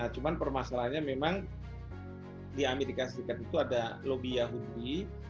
cuma permasalahannya memang di amerika serikat itu ada lobby yahudi